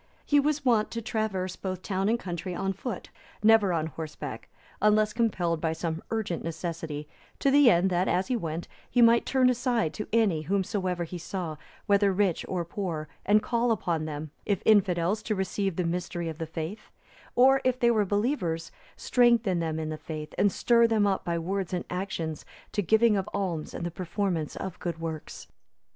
He was wont to traverse both town and country on foot, never on horseback, unless compelled by some urgent necessity; to the end that, as he went, he might turn aside to any whomsoever he saw, whether rich or poor, and call upon them, if infidels, to receive the mystery of the faith, or, if they were believers, strengthen them in the faith, and stir them up by words and actions to giving of alms and the performance of good works.